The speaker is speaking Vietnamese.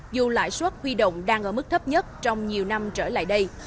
dù lãi suất huy động đang ở mức thấp nhất trong nhiều năm trở lại đây